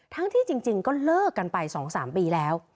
ที่จริงก็เลิกกันไป๒๓ปีแล้ว